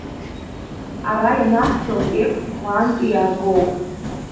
Ара ианаҳҵо атекст уаантәи иаагоуп.